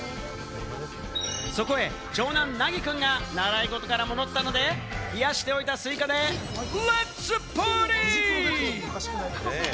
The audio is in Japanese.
そこへ長男・なぎくんが習い事から戻ったので、冷やしておいたスイカでレッツパーティー！